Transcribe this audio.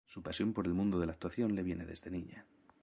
Su pasión por el mundo de la actuación le viene desde niña.